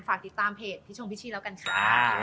ฝากติดตามเพจพี่ชงพิชชี่แล้วกันค่ะ